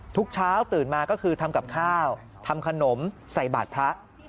ทุกเช้าตื่นมาก็คือทำกับข้าวทำขนมใส่บาทพระ